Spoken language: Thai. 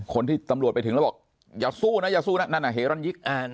คนที่ตำรวจไปถึงแล้วบอกอย่าสู้นะอย่าสู้นะนั่นน่ะเฮรันยิก